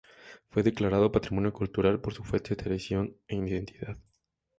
Fue declarado Patrimonio Cultural por su fuerte tradición e identidad.